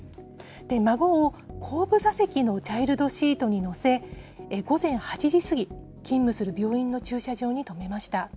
孫を後部座席のチャイルドシートに乗せ、午前８時過ぎ、勤務する病院の駐車場に止めました。